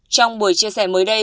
trong buổi chia sẻ mới đây